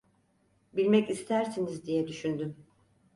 Bilmek istersiniz diye düşündüm.